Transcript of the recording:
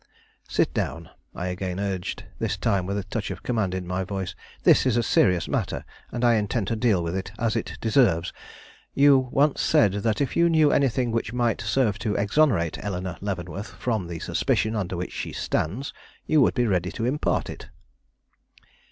"Sit down," I again urged, this time with a touch of command in my voice. "This is a serious matter, and I intend to deal with it as it deserves. You once said that if you knew anything which might serve to exonerate Eleanore Leavenworth from the suspicion under which she stands, you would be ready to impart it."